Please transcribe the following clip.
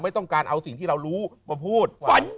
ไม่ต้องการเอาสิ่งที่เรารู้มาพูด